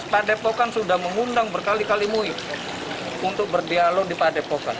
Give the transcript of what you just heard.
pak depokan sudah mengundang berkali kali mui untuk berdialog di padepokan